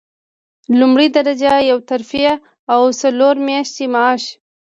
لومړۍ درجه یوه ترفیع او څلور میاشتې معاش.